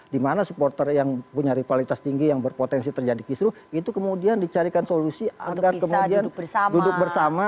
dimana supporter yang punya rivalitas tinggi yang berpotensi terjadi kisru itu kemudian dicarikan solusi agar kemudian duduk bersama